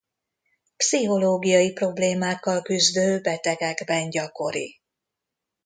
Pszichológiai problémákkal küzdő betegekben gyakori.